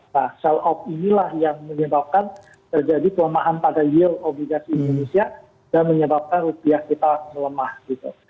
nah sell off inilah yang menyebabkan terjadi kelemahan pada yield obligasi indonesia dan menyebabkan rupiah kita melemah gitu